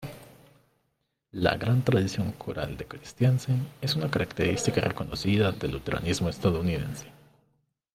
La gran tradición coral de Christiansen es una característica reconocida del luteranismo estadounidense.